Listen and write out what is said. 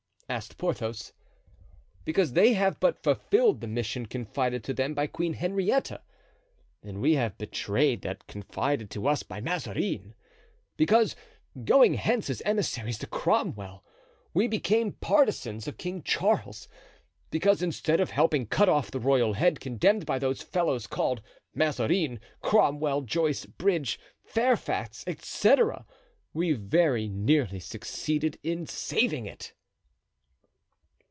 asked Porthos. "Because they have but fulfilled the mission confided to them by Queen Henrietta and we have betrayed that confided to us by Mazarin; because, going hence as emissaries to Cromwell, we became partisans of King Charles; because, instead of helping cut off the royal head condemned by those fellows called Mazarin, Cromwell, Joyce, Bridge, Fairfax, etc., we very nearly succeeded in saving it."